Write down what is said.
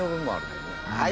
はい。